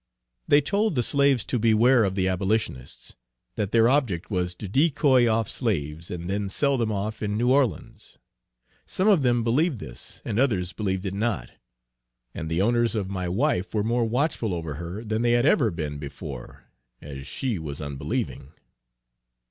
They told the slaves to beware of the abolitionists, that their object was to decoy off slaves and then sell them off in New Orleans. Some of them believed this, and others believed it not; and the owners of my wife were more watchful over her than they had ever been before as she was unbelieving.